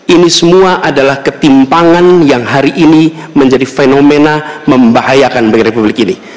ini semua adalah ketimpangan yang hari ini menjadi fenomena membahayakan bagi republik ini